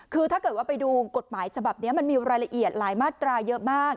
คือถ้าเกิดว่าไปดูกฎหมายฉบับนี้มันมีรายละเอียดหลายมาตราเยอะมาก